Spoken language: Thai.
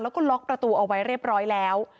แล้วก็ล็อกประตูเอาไว้เรียบร้อยแล้ว